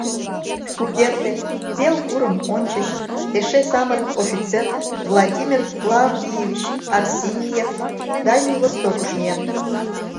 Шукерте, пел курым ончыч, эше самырык офицер Владимир Клавдиевич Арсеньев Дальний Востокыш миен.